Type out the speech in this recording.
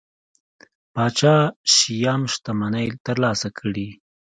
پاچا شیام شتمنۍ ترلاسه کړي.